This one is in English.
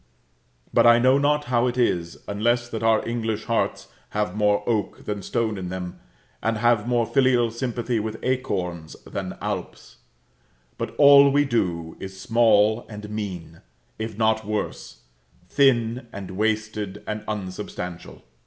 But I know not how it is, unless that our English hearts have more oak than stone in them, and have more filial sympathy with acorns than Alps; but all that we do is small and mean, if not worse thin, and wasted, and unsubstantial.